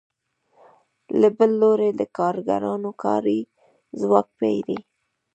له بل لوري د کارګرانو کاري ځواک پېري